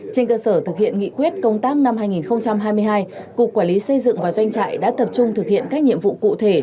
trên cơ sở thực hiện nghị quyết công tác năm hai nghìn hai mươi hai cục quản lý xây dựng và doanh trại đã tập trung thực hiện các nhiệm vụ cụ thể